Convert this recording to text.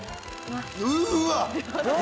うわ！